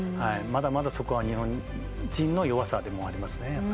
まだまだ、そこは日本チームの弱さでもあります。